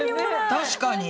確かに。